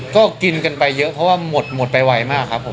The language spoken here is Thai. ก็กินกันไปเยอะเพราะว่าหมดไปไวมากครับผม